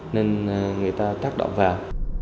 nên người ta tác động vào